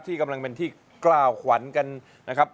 กำลังเป็นที่กล้าวขวัญกันนะครับ